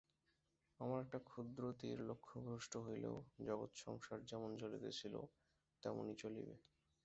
আমার একটা ক্ষুদ্র তীর লক্ষ্যভ্রষ্ট হইলেও জগৎ সংসার যেমন চলিতেছিল তেমনি চলিবে।